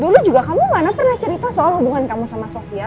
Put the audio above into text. dulu juga kamu mana pernah cerita soal hubungan kamu sama sofia